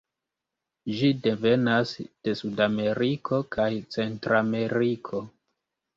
Ĝi devenas de sudameriko kaj centrameriko.